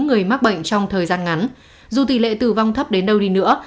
người mắc bệnh trong thời gian ngắn dù tỷ lệ tử vong thấp đến đâu đi nữa